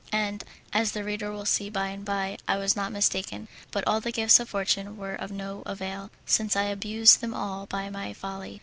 And, as the reader will see by and by, I was not mistaken; but all the gifts of fortune were of no avail, since I abused them all by my folly.